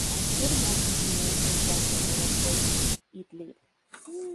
Al sur Monte Simeon es las llanuras de Idlib.